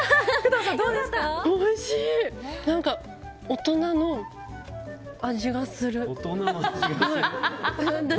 大人の味がする。